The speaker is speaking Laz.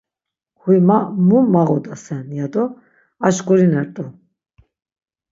Huy ma mu mağodasen, yado aşǩurinert̆u.